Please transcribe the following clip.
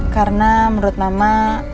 karena menurut mama